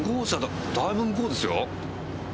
だいぶ向こうですよ。